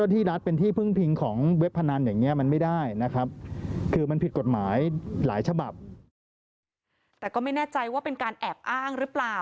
แต่ก็ไม่แน่ใจว่าเป็นการแอบอ้างหรือเปล่า